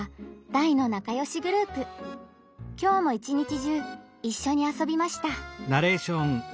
きょうも一日中一緒に遊びました。